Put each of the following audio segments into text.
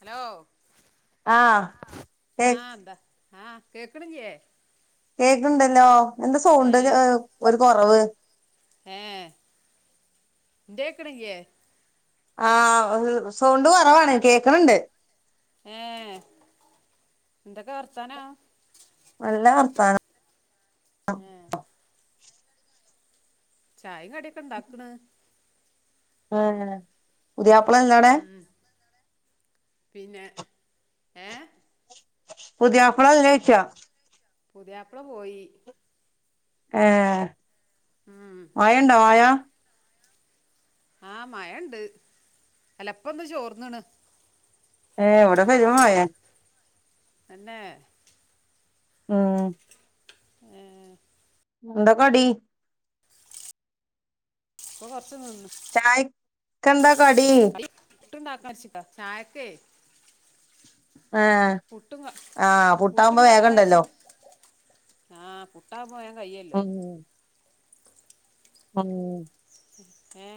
Hello ആഹ് കേൾ ആഹ് കേക്കണില്ലേ കേക്കണുണ്ടല്ലോ എന്താ ഏ സൗണ്ട് ഒരു ഒരു കുറവ് ഇ കേക്കണില്ലേ ആഹ സൗണ്ട് കുറവാണ് കേക്കണണ്ട് ഏഹ് എന്തൊക്കെ വർത്താനാ നല്ല വർത്താനം ഏ ചായും കടിയൊക്കെ ഇണ്ടാക്കണ് ഉം പുതിയാപ്പള എന്താട പിന്നെ ഏഹ് പുതിയാപ്പിള ഇല്ലേ ചോച്ച് പുതിയാപ്പിള പോയി ഏ ഉം മഴഉണ്ടോ വായണ്ടാ വായാ ആഹ മഴ ഇണ്ട് അല്ലപ്പ എന്താ ചോർന്നുണ് ഏ ഇവിടെ പെരുമഴ തന്നെ ഉം ഏ ഏ എന്താ കടി ഇപ്പ കൊർച്ച് നിന്ന് കന്താ കടി പുട്ട്ണ്ടാക്കാർച്ചിക്കാ ചായക്കേ ഏ പുട്ടും ക- ആ പുട്ടാവുമ്പോ വേഗണ്ടല്ലോ ആഹ് പു ഉം ആമ് ഏ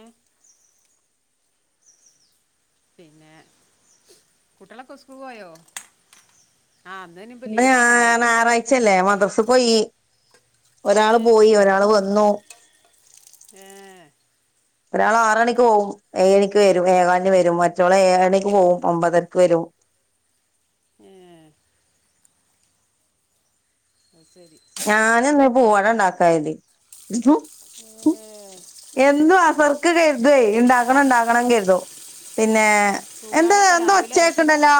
പിന്നെ കുട്ടിയാളൊക്കെ സ്കൂൾ പോയോ ആ അന്ന് ഇനിയിപ്പോ ഇന്ന് ആ ലീവാണല്ലോ അല്ലേ ഞാറാഴ്ചല്ലേ മദ്രസ പോയി ഏ ഒരാള് പോയി ഒരാള് വന്നു ഏ ഒരാൾ ആറണിക്ക് പോവും ഏഴണിക്ക് വരും ഏയേകാലിന് വരും മറ്റോൾ ഏഴണിക്ക് പോവും ഒമ്പതർക്ക് വരും ഓ ഏ അത് ശരി ഞാനിന്ന് പൂവട ഉണ്ടാക്കാർതി ഏ [unintelligible] എന്നും അസർക്ക് കെർതേ ഇണ്ടാക്കണം ഇണ്ടാക്കണം കെർതും പിന്നെ എന്താ സുഖാടൊക്കെ എന്ത രാവിലെ രസം ഒച്ചേക്ക്ണ്ടല്ലോ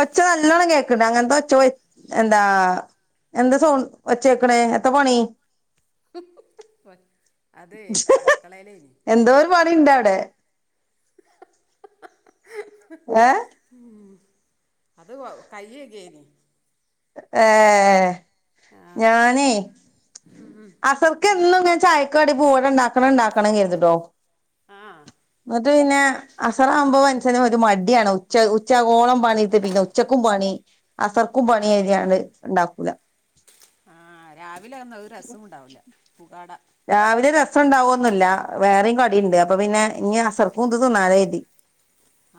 ഒച്ച നല്ലോണം കേൾക്ക്ണ്ട് അങ്ങൻത്തെ ഒച്ച എന്താ എന്താ സൗ ഒച്ചേക്ക്ണേ എത്താ പണി അതെ അട്ക്കളേലേനി എന്തോ ഒരു പണി ഇണ്ട് അവിടെ ഏ അത് കയ്യകേനി ഏ ഞാനെ അസർക്ക് എന്നും ചായക്കടി പൂവട ഇണ്ടാക്കണം ഇണ്ടാക്കണം കെർതുട്ടോ ആ ങ്ങട്ട് പിന്നെ അസറാവുമ്പോ മൻസൻ ഒരു മടിയാണ് ഉച്ച ഉച്ചാകോളം പണിയിട്ത്ത് പിന്നെ ഉച്ചക്കും പണി അസർക്കും പണിയ്നാണ്ട് ഇണ്ടാക്കൂല ആ രാവിലെ അയൊന്നും ഒരസം ഉണ്ടാവൂല പുകാട രാവിലെ രസണ്ടാവോന്നുല്ല വേറിം കടിണ്ട് അപ്പൊ പിന്നെ ഇഞ്ഞ് അസർക്കും ഇത് തിന്നാലോ കെർതി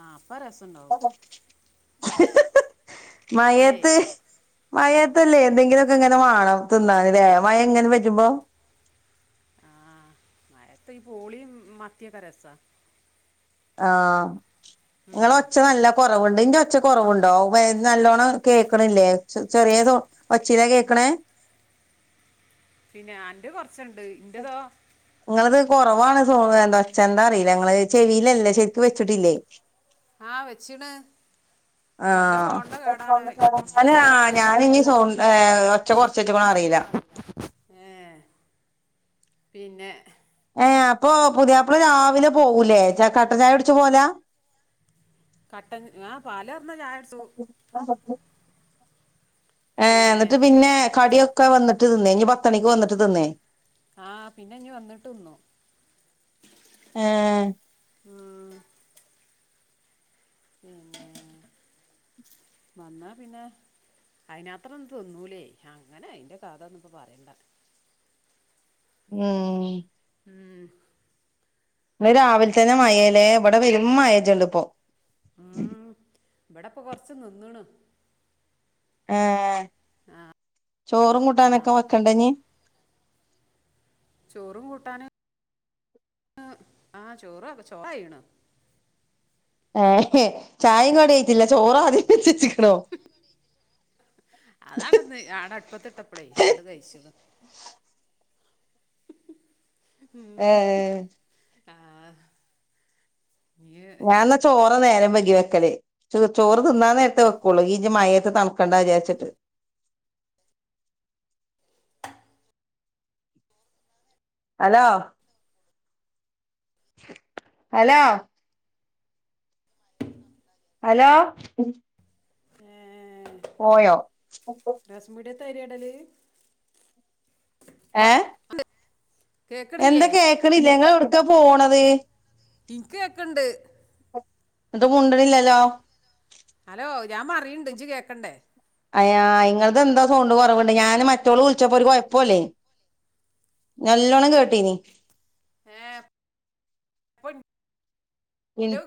ആ അപ്പൊ രസണ്ടാവും അല്ലേ മഴയത്ത് മയ ല്ലേ എന്തെങ്കിലുക്കെ ഇങ്ങനെ വാണം തിന്നാന്ലേ മഴ ഇങ്ങനെ പേജുമ്പോ ആ മഴയത്ത് ഈ പൂളീം മത്തിയൊക്കെ രസാ ആ ഉം. നിങ്ങളൊച്ച നല്ല കൊറവുണ്ട് ഇന്റെ ഒ ച്ച കൊറവുണ്ടോ ഏ നല്ലോണ്ണം കേക്ക്ണ്ല്ലേ ചെറിയ സൗ ഒച്ചീലാ കേക്ക്ണേ പിന്നെ അന്റെ കൊർച്ച്ണ്ട് ഇന്റതോ കൊർവാണ് സോ എന്തോച്ച എന്താ അറീല്ല ഇങ്ങള് ചെവീലല്ലേ ശെർക്ക് വെച്ച്ട്ടില്ലേ ആഹ് വെച്ചിണ് ആ ഞാൻ്റെ ഫോണിൻ്റെ കേടാണ് ഇത് ആ ഞാന ഇ കേൾക്കുന്നുണ്ടല്ലോ സൗ ഒച്ച കൊർച്ച്ക്ക് ണോ അറി ല ഏ പിന്നെ ഏ അപ്പൊ പുതിയാപ്പള രാവിലെ പോകൂലേ കട്ടൻചായ കുട്ച്ച് പോല കട്ടൻ ആ പാലാർന്ന ചായ കുട്ച്ചും ഏ പിന്നെ ന്നട്ട്പിന്നെ കടിയൊക്കെ വന്ന്ട്ട് തിന്നേ ഇഞ്ഞ് പത്തണിക്ക് വന്ന്ട്ട് തിന്നേ ആ പിന്നെ ഇനി വന്ന്ട്ടിന്നും ഏഹ് ആ പിന്നെ വന്നാ പിന്നെ അയിനാത്ര ഒന്ന് തിന്നൂലേ അങ്ങനെ അയിന്റെ കഥ ഒന്ന് ഇപ്പോ പറയണ്ട ങ്ങ് ഉം, ഇന്ന് രാവിലെ തന്നെ മഴയല്ലേ ഇവിടെ വെരും മഴജോള് ഇപ്പോ ഇവിടപ്പൊ കൊറച്ച് നിന്ന്ണ് ആ ഏ ചോറും ആ കൂട്ടാനൊക്കെ വെക്കണ്ട ഇനി ചോറും കൂട്ടാന് അ ആ ചോറ് ചോറായ്ണ് അ ഏ ചായയും കടിയും ആയിറ്റില്ല ചോറാദ്യം വെച്ചച്ച് അതാണ്ടന്ന് ആട അടുപ്പത്തിട്ടപ്പളെ ആട കഴിച്ചുന്ന് ഏ ആ നീ ഓ നേരം വൈകി വെക്കല് ചോ ചോറ് തിന്നൻ നേരത്തെ വെക്കുള്ളൂ ഇജ് മഴയത്ത് തണുക്കണ്ട വിചാരിച്ചിട്ട് ഹലോ ഹലോ ഹലോ ഏ, പോയോ [unintelligible] ഏ കേക്കണില്ലേ എന്താ കേക്കണില്ലേ നിങ്ങൾ എവിടുക്ക പോണത് ഇന്ക്ക് കേക്കണ്ട് എന്ത മുണ്ടണില്ലല്ലോ ഹലോ ഞാൻ പറയണ്ട് ഇജ് കേക്കണ്ടേ അയാ ഇങ്ങക്ക് എന്താ സൗണ്ട് കുറവുണ്ട് ഞാൻ മറ്റൊള വിളിച്ചപ്പോ ഒരു കുഴപ്പല്ലേന് നല്ലോണം കേട്ടീനി ഏ [unintelligible] പിൻ എന്റെ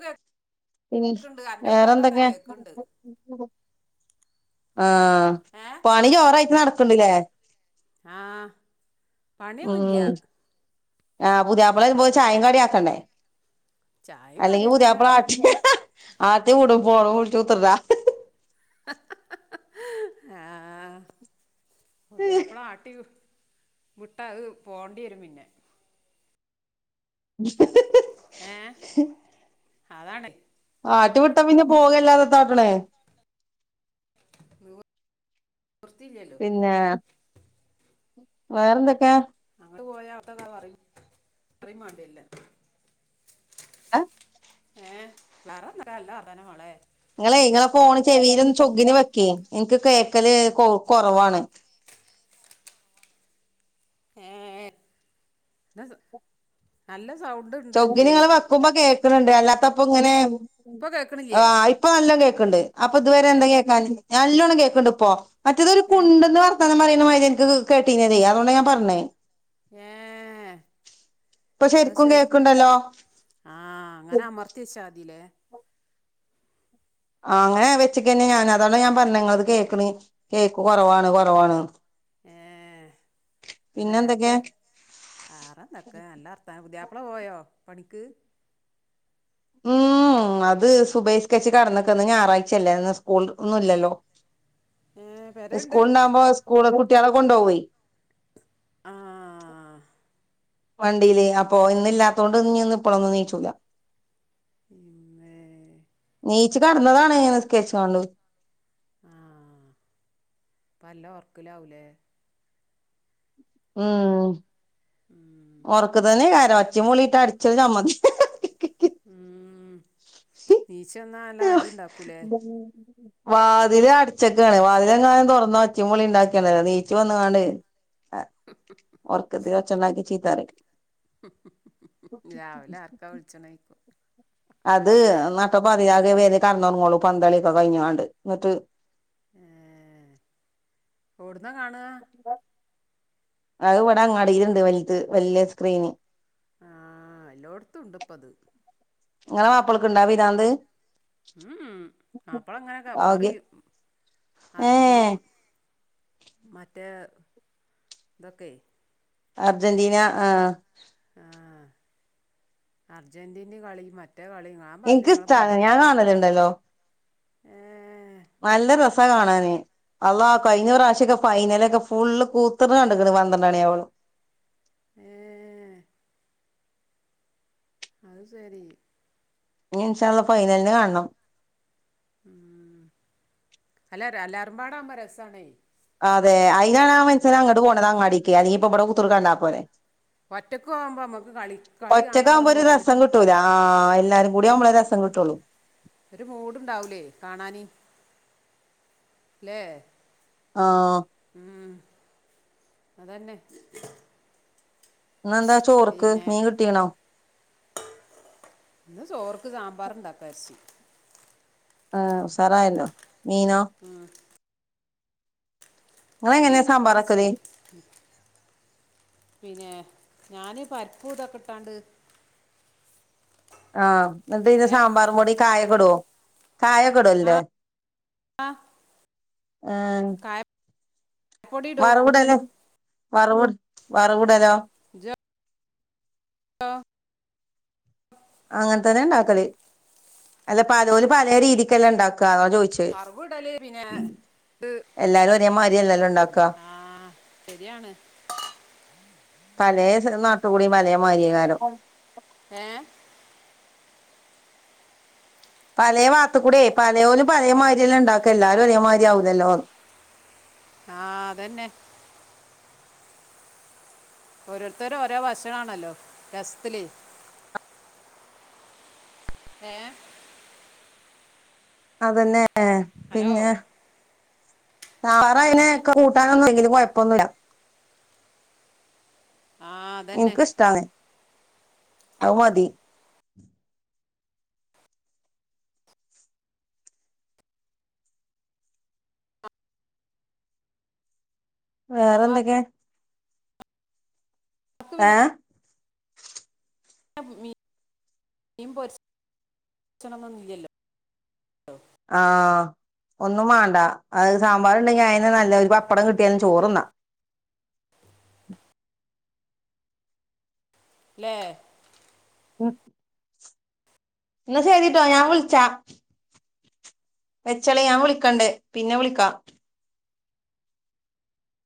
പിൻ കേക്കണ്ട് അന്റെ കേട്ടൊക്കെ വേറെന്തൊക്കെയാ കേക്കണ്ട് ആ ഏ പണി ചോറായിട്ട് നടക്ക്ണ്ട്ല്ലേ ആ പണിയൊന്നുല്യ ഉം ആ പുതിയാപ്പള വരുമ്പോ ചായ കടി ആക്കണ്ടേ ചായയും അല്ലെങ്കി കടിയും അങ്ങനെ പുതിയാപ്പള ആട്ട് ആട്ടി വിടും ഫോണും വിളിച്ചു കുത്തർന്നാൽ ആ പുതിയാപ്ല ആട്ടി വിടും വിട്ട അത് പോണ്ടി വരും പിന്നെ ഏ അതാണ് ആട്ടി വിട്ട പിന്നെ പോകല്ലാതെ താട്ട് ണേ [unintelligible] നിർത്തില്ലേ ല്ലോ വേറെന്തൊക്കെയ പെട്ടുപോയ അവസ്ഥ പറയും മാണ്ടി വരൂ ലാ അ ഏ വേറെ ഒന്നൂല്ല നല്ല വർത്താനംമളെ ഇങ്ങളെ ഇങ്ങളെ ഫോണ് ചെവിൽ ഒന്ന് ചൊഗ്ഗിന് വെക്കി എനിക്ക് കേക്കല് കൊ കൊറവാണ് ഏ എ ഡസം നല്ല സൗണ്ട് ഉണ്ട് ഇന്റെ ചൊഗിനിങ്ങൾ വെക്കുമ്പോ കേക്കുണുണ്ട് അല്ലാത്തപ്പ ഇങ്ങനെ ഇപ്പൊ ആ കേക്കണില്ലേ ഇപ്പൊ നല്ലോം കേക്ക്ണ്ട് അപ്പ ഇതുവരെ ഏ എന്താ കേക്കാഞ്ഞത് നല്ലോണ്ണം കേക്കണ്ട് ഇപ്പൊ മറ്റേതൊരു ഏ കുണ്ടന്ന് വർത്താനം പറയുന്ന മാറി എന്ക്ക് കേട്ടീനതേ അതുകൊണ്ട ഞാൻ പറഞ്ഞേ ഏ ഇപ്പൊ അത് ശരിക്കും ശരി കേക്കണ്ടല്ലോ ആ അങ്ങനെ അമർത്തിവച്ചാതിലേ ആ അങ്ങനെ വെച്ചക്കന്നെ ഞാൻ അതാണ് ഞാൻ പറഞ്ഞഇങ്ങളത് കേക്കണ് കേക്ക് കുറവാണ് കുറവാണ് ഏ പിന്നെ എന്തൊക്കെ നേരത്തെ വേറെന്തൊക്കെ നല്ലർത്താനം പുതിയാപ്പള പോയോ പണി ക്ക് ഉം ഉം അത് സുബൈയ് നിസ്കരിച്ച് കടന്നക്ക ന്ന് ഞായറാഴ്ചയല്ലേ ന്ന് സ്കൂൾ ഒന്നും ഇല്ലല്ലോ ഏ പെരേണ്ട് സ്കൂൾണ്ടാകുമ്പോ സ്കൂള് കുട്ട്യാളെ കൊണ്ടോവെയ് ആ വണ്ടിയില് അപ്പൊ ഇന്നില്ലാത്തൊണ്ട് ഞ്ഞ് ന്ന് ഇപ്പളൊന്നും നീച്ചൂല പിന്നെ നീച്ച് കടന്നതാണ് നിസ്കരിച്ച് കാണ്ട് ആ ഇപ്പ നല്ല ഒർക്കിലാവൂലേ ഉം ഉം ഉറക്ക് തന്നെക്കാരം ഒച്ചിംയും ബുളിയിട്ടാൽ അടിച്ച് ചമ്മന്തി ഉം നീച്ചന്നാ നല്ല അടിണ്ടാക്കൂലേ വാതില് അടച്ചക്കാണ് വാതിലെങ്ങാനും തുറന്ന് ഒച്ചും ബിളിം ണ്ടാക്കിയണ്ടല്ലോ നീച്ച്‌ വന്ന്ക്കാണ്ട് ആ ഓർക്കത്ത് ഒച്ചണ്ടാക്കിയാ ചീത്തറിം രാവിലെ ആർക്കാ [unintelligible] വിളിച്ചണേക്കും അത് നട്ട പതിരാക്ക് വെര കടന്നൊറങ്ങൊള്ളു പന്തളിക്കെ കഴിഞ്ഞ്ക്കാണ്ട് ന്നിട്ട് ഏ ഓടുന്നകാണാ അത് ഇവിടെ അങ്ങാടീല്ണ്ട് വല്ത് വല്യ സ്ക്രീന് ആഹ് എല്ലോട്ത്തുണ്ട് പ്പ ത് ങ്ങളെ മാപ്പളക്ക്ണ്ടാ ആ പിരാന്ത് ഉം ഉം ആകെ മാപ്പളഇങ്ങനൊകെപറിം ഏ അർജുനും മറ്റേ ഹ് തൊക്കെ അർജന്റീ ന ആഹ് അർജന്റീന കളി മറ്റ ഇൻക് സ്ത്താണ് ഞാൻ കാണലുണ്ട്ല്ലോ ഏ നല്ല രസാ കാണാന് അള്ളാ കഴിഞ്ഞ പ്രാവശ്യൊക്കെ ഫൈനലൊക്കെ ഫുള്ള് കൂത്തർന്ന് കണ്ട്ക്ക്ണ് പന്ത്രണ്ടണിയാവോളം ഏഹ് അഹ് സരി ഞ്ഞി ൻശാഅള്ളാ ഫൈനലിന് കാണണം ഉം അല്ല അല്ലാരുമ്പാടാവുമ്പോ രസാണെ ക്യാ [unintelligible] ബട [unintelligible] കുത്തർക്ക ണ്ടാ പോരേ ഒറ്റക്ക് പോകുമ്പോൾ നമുക്ക് കളി കളി കാണാനുള്ള ഒറ്റക്കാവുമ്പോ ഒരു മൂടനെ രസം കിട്ടൂല ആഹ് എല്ലാരും കൂടി ഒരു ആവുമ്പളാ രസ കിട്ടൊള്ളു ഒരു മൂട്ണ്ടാവൂലേ കാണാന് ല്ലേ ആഹ് ഉം അതന്നെ ഇന്നെന്താ ചോർക്ക് പിന്നെ മീൻ കിട്ടീണോ ഇന്ന് ചോർക്ക് സാമ്പാറ് ഇണ്ടാക്കാർച്ച് ആഹ്ഉസാറായല്ലോ മീനോ ഇങ്ങളെങ്ങനെ മീൻഞ് വപ്പടം പൊരിച്ചേ സാമ്പാറെക്കല് പിന്നെ ഞാന് പരിപ്പൂതൊക്കെട്ടാണ്ട് ആഹ് ന്നട്ട് പിന്നെ സാമ്പാറും പൊടി കായക്കെടോ കായക്കെടല്ല്ലൊ ആഹ് ആഹ് കായപ്പൊടി ഇടൂ വറവ്ടലോ വറവ് വറവ്ടലോ ജൊ ആ അങ്ങനെ തന്നെണ്ടാക്കല് അല്ല പലോലും പലേ രീതിക്കല്ലേ ഇണ്ടാക്കല് ക്കാ അ [unintelligible] ചോയ്ച്ചേ കറുവ് ഇടല് പിന്നെ ഇത് എല്ലാരും ഒരേ മാരി അല്ലല്ലോണ്ടാക്കാ ആ ശരിയാണ് പലേ നാട്ട്കൂടീം പലേ മാരിയ കാരം ഏ പലേ ഭാത്ത്കൂടെ പലയോലും പലേമാരില്ലേ ഇണ്ടാക്ക എല്ലാരും ഒരേമാരി ആവൂല്ലല്ലോന്ന് ആഹ് അതന്നെ ഓരോരുത്തര് ഓരോ ഭക്ഷണാണല്ലോ രസ്ത്തില് ഏഹ് അതന്നെ ഹലോ പിന്നെ സാമ്പാറായിന് ക്കൊ കൂട്ടാനൊന്നും ഇല്ലെങ്കിലും കിഴപ്പൊന്നുല്ല ആ അതന്നെ ഇൻക്ക് ഇഷ്ടാണ് അഹ്മതി വേറെ സാമ്പാർക്ക് എന്തൊക്കെ എഹ് [unintelligible] മീ മീൻ പൊരിച്ചണം ന്നുന്നില്ലല്ലോ ആഹ് ഒന്നും മാണ്ട അഹ്സാമ്പാറണ്ടെങ്കി അയിന് നല്ല ഒരു പപ്പടം കിട്ട്യാലും ചോറുണ്ണാം ഉം ലെ ഉം ന്ന ശരിട്ടോ ഞാൻ വിളിച്ചാ വെച്ചളിം ഞാൻ വിളിക്കണ്ട് പിന്നെ വിളിക്കാം